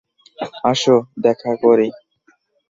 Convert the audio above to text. আসো দেখা করি।